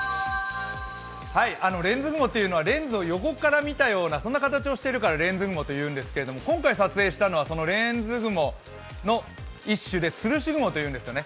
レンズ雲というのはレンズを横から見たような、そんな形をしているからレンズ雲というんですけれども、今回撮影したのは、レンズ雲の一種でつるし雲と言うんですね。